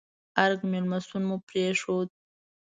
ارګ مېلمستون مو پرېښود.